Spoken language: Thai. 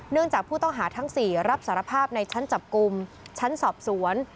จากผู้ต้องหาทั้ง๔รับสารภาพในชั้นจับกลุ่มชั้นสอบสวน